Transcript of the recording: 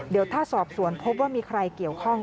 เดี๋ยวถ้าสอบสวนพบว่ามีใครเกี่ยวข้อง